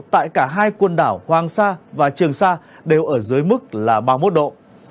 tại cả hai quần đảo hoàng sa và trường sa đều ở dưới mức là ba mươi một độ